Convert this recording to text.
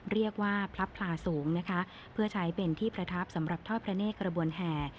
เรียกว่าพลับพลาสูงนะคะเพื่อใช้เป็นที่ประทับสำหรับทอดพระเนธกระบวนแห่